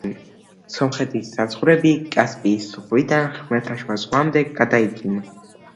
სომხეთის საზღვრები კასპიის ზღვიდან ხმელთაშუა ზღვამდე გადაიჭიმა.